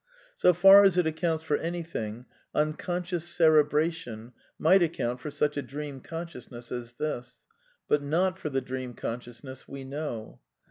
So far as it accounts for anything, unconscious j cerebration might account for such a dream consciousness v as this; but not for the dream consciousness we know.